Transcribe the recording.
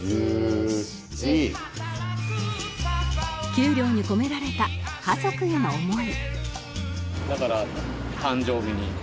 給料に込められた家族への思い